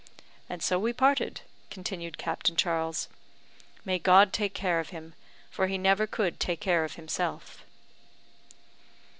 And so we parted," continued Captain Charles. "May God take care of him, for he never could take care of himself."